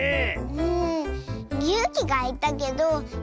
うん。